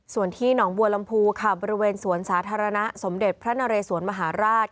ส่วนที่หนองบัวลำพูค่ะบริเวณสวนสาธารณะสมเด็จพระนเรสวนมหาราช